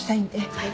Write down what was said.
はい。